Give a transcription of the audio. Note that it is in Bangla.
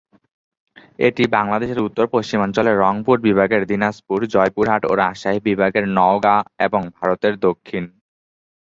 এটি বাংলাদেশের উত্তর-পশ্চিমাঞ্চলের রংপুর বিভাগের দিনাজপুর, জয়পুরহাট ও রাজশাহী বিভাগের নওগাঁ এবং ভারতের দক্ষিণ দিনাজপুর জেলার একটি নদী।